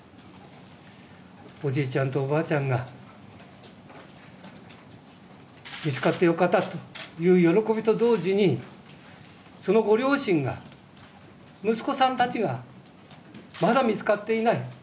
おじいちゃんとおばあちゃんが、見つかってよかったという喜びと同時に、そのご両親が、息子さんたちが、まだ見つかっていない。